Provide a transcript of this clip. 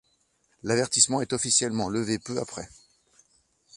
L'avertissement est officiellement levé peu après.